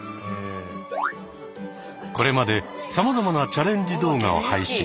これまでさまざまなチャレンジ動画を配信。